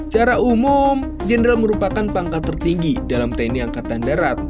secara umum jenderal merupakan pangkat tertinggi dalam tni angkatan darat